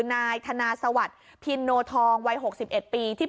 นายธนาสวรรค์พิลโนทองวัยหกสิบเอ็ดปี